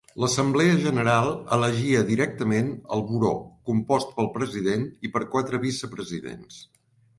L'Assemblea general elegia directament el Buró compost pel President i per quatre vicepresidents.